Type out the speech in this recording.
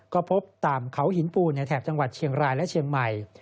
ก็พบตามเขาหินปูนในแถบจังหวัดเชียงรายและเชียงใหม่